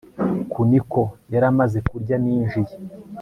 Kuniko yari amaze kurya ninjiye